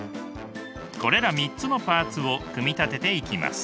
これら３つのパーツを組み立てていきます。